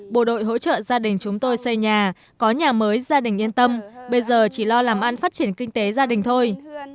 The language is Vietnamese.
bộ đội hỗ trợ gia đình chúng tôi xây nhà có nhà mới gia đình yên tâm bây giờ chỉ lo làm ăn phát triển kinh tế gia đình thôi